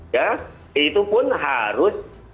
ya itu pun harus